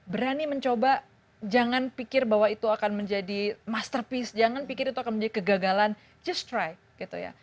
berani mencoba jangan pikir bahwa itu akan menjadi masterpiece jangan pikir itu akan menjadi kegagalan just try gitu ya